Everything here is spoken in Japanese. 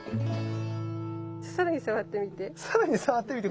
さらに触ってみて。